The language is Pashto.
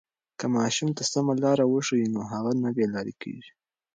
که ماشوم ته سمه لاره وښیو نو هغه نه بې لارې کېږي.